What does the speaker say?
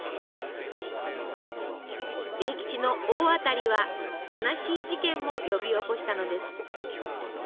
栄吉の「大当たり」は悲しい事件も呼び起こしたのです。